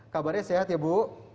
kabarnya sehat ya bu